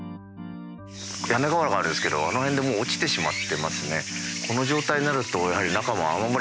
屋根瓦があるんですけどあの辺でもう落ちてしまってますね。